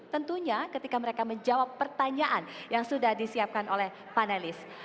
tentunya ketika mereka menjawab pertanyaan yang sudah disiapkan oleh panelis